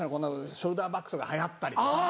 ショルダーバッグとか流行ったりとか。